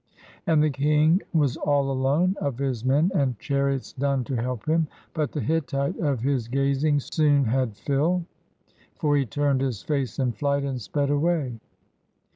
And the king was all alone, Of his men and chariots none To help him ; but the Hittite of his gazing soon had fi.ll, For he turned his face in flight, and sped away.